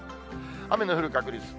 雨の降る確率。